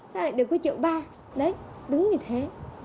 sao lại đừng có triệu ba đấy đứng như thế